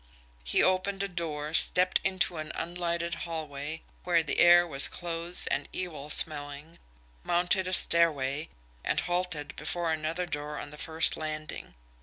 He opened a door, stepped into an unlighted hallway where the air was close and evil smelling, mounted a stairway, and halted before another door on the first landing.